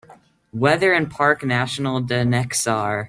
Weather in Parc national de Nech Sar